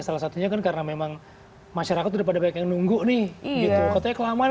salah satunya kan karena memang masyarakat daripada banyak yang nunggu nih gitu katanya kelamaan